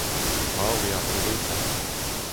Brav eo ar gweledva.